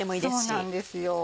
そうなんですよ。